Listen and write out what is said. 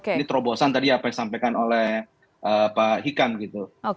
ini terobosan tadi apa yang disampaikan oleh pak hikam gitu